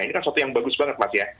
ini kan sesuatu yang bagus banget mas ya